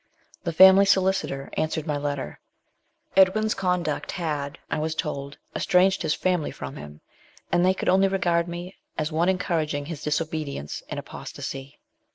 The family solicitor answered my letter. Edwin's conduct had, I was told, estranged his family from him, and they could only regard me as one encouraging his disobedience and apostasy.